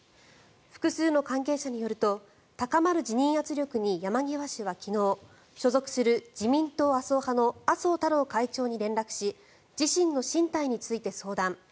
複数の関係者によると高まる辞任圧力に山際氏は昨日所属する自民党麻生派の麻生太郎会長に連絡し自身の進退について相談。